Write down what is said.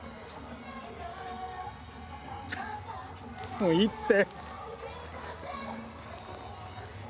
もういいって。